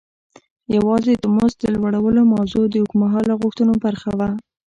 یوازې د مزد د لوړولو موضوع د اوږد مهاله غوښتنو برخه وه.